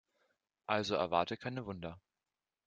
Also erwarte keine Wunder.